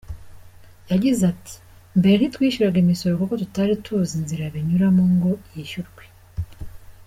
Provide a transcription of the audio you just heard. Yagize ati”Mbere ntitwishyuraga imisoro kuko tutari tuzi inzira binyuramo ngo yishyurwe.